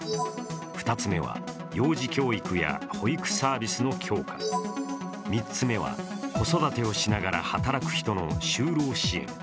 ２つ目は幼児教育や保育サービスの強化、３つ目は、子育てをしながら働く人の就労支援。